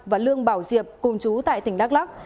và lương bảo diệp cùng chú tại tỉnh đắk lắc